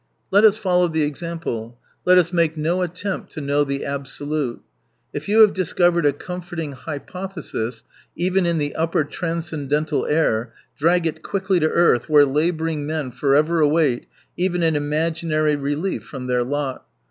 Let us follow the example. Let us make no attempt to know the absolute. If you have discovered a comforting hypo thesis, even in the upper transcendental air, drag it quickly to earth where labouring men forever await even an imaginary relief from their lot.